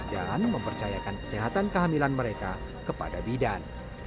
dan mempercayakan kesehatan kehamilan mereka kepada bidan